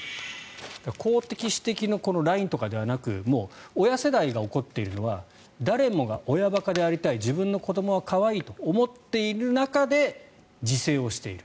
公的、私的のラインとかではなく親世代が怒っているのは誰もが親バカでありたい自分の子どもは可愛いと思っている中で自制をしている。